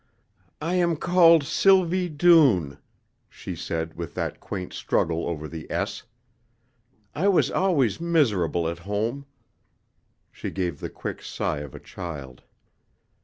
"I am called Sylvie Doone," she said with that quaint struggle over the "S." "I was always miserable at home." She gave the quick sigh of a child.